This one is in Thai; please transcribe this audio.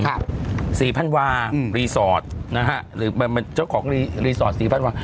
สี่พันวาอืมรีสอร์ทนะฮะหรือมันเป็นเจ้าของรีรีสอร์ทสี่พันวา